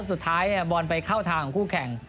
สุดท้ายบอลไปเข้าทางของคู่แข่ง